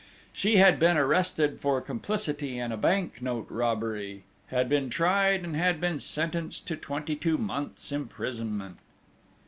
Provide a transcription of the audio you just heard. She had been arrested for complicity in a bank note robbery, had been tried, and had been sentenced to twenty two months' imprisonment.